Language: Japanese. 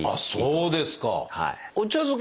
そうですね。